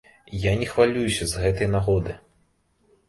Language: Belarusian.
Я не хвалююся з гэтай нагоды.